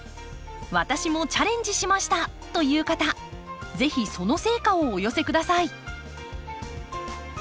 「私もチャレンジしました」という方是非その成果をお寄せ下さい。